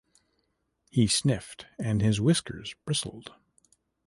He sniffed, and his whiskers bristled.